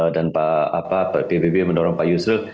dan pak pbb mendorong pak yusril